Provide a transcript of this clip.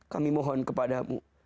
kami mohon kepadamu